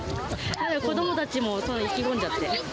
子どもたちも意気込んじゃって。